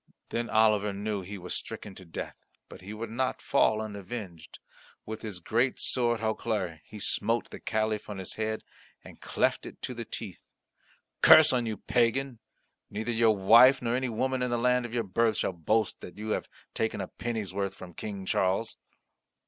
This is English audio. Then Oliver knew he was stricken to death, but he would not fall unavenged. With his great sword Hautclere he smote the Caliph on his head and cleft it to the teeth. "Curse on you, pagan. Neither your wife nor any woman in the land of your birth shall boast that you have taken a penny's worth from King Charles!"